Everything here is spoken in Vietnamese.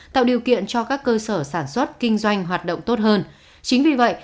tạo điều kiện cho các cơ sở sản xuất kinh doanh hoạt động tốt hơn chính vì vậy